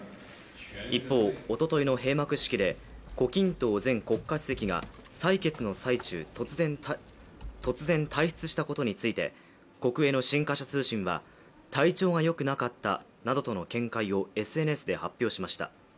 一方、おとといの閉幕式で胡錦涛前国家主席が採決の最中、突然退出したことについて国営の新華社通信は体調が良くなかったなどとの見解をＳＮＳで発表しました。